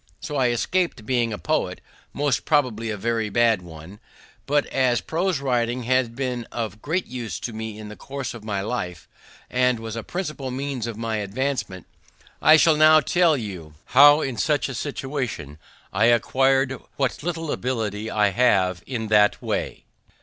So I escaped being a poet, most probably a very bad one; but as prose writing has been of great use to me in the course of my life, and was a principal means of my advancement, I shall tell you how, in such a situation, I acquired what little ability I have in that way.